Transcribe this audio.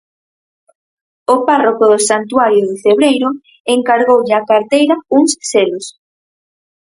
O párroco do santuario do Cebreiro encargoulle á carteira uns selos.